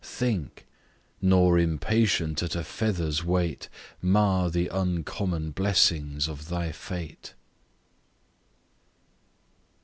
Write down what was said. Think; nor impatient at a feather's weight, Mar the uncommon blessings of thy fate!